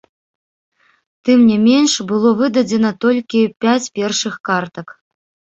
Тым не менш было выдадзена толькі пяць першых картак.